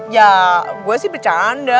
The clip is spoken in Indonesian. ya gue sih bercanda